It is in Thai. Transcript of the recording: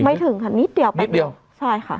ไม่ถึงค่ะนิดเดียวไปนิดเดียวใช่ค่ะ